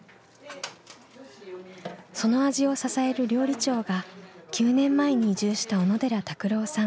その味を支える料理長が９年前に移住した小野寺拓郎さん。